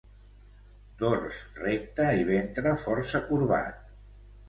Dors recte i ventre força corbat.